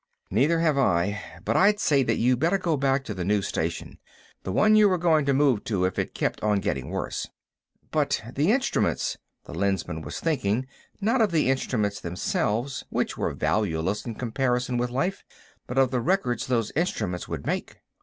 "Neither have I. But I'd say that you better go back to the new station—the one you were going to move to if it kept on getting worse." "But the instruments...." the Lensman was thinking, not of the instruments themselves, which were valueless in comparison with life, but of the records those instruments would make.